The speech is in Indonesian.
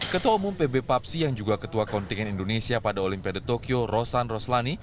ketua umum pb papsi yang juga ketua kontingen indonesia pada olimpiade tokyo rosan roslani